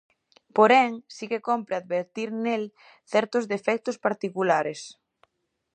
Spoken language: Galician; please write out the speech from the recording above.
Porén, si que cómpre advertir nel certos defectos particulares.